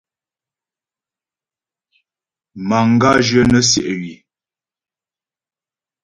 Manga zhyə nə̀ siɛ̀ ywii.